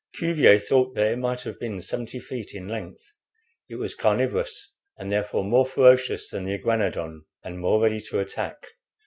Cuvier thought that it might have been seventy feet in length. It was carnivorous, and therefore more ferocious than the iguanodon, and more ready to attack.